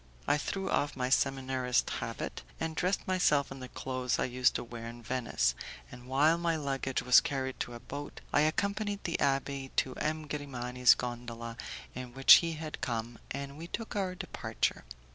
I threw off my seminarist's habit, and dressed myself in the clothes I used to wear in Venice, and, while my luggage was carried to a boat, I accompanied the abbé to M. Grimani's gondola in which he had come, and we took our departure.